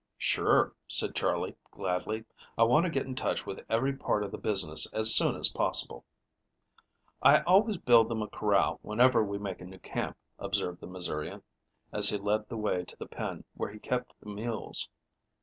"Sure," said Charley gladly. "I want to get in touch with every part of the business as soon as possible." "I always build them a corral whenever we make a new camp," observed the Missourian, as he led the way to the pen where he kept the mules.